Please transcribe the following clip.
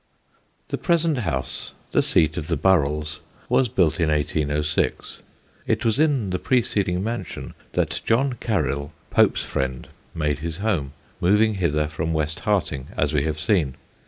The present house, the seat of the Burrells, was built in 1806. It was in the preceding mansion that John Caryll, Pope's friend, made his home, moving hither from West Harting, as we have seen.